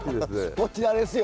こちらですよ